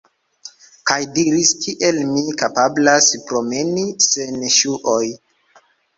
Kaj diris kiel mi kapablas promeni sen ŝuoj